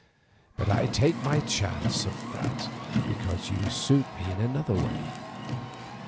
But I take my chance of that because you suit me in another way.